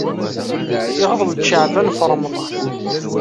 Iɣḍel-d Caɛban ɣef Ṛemḍan.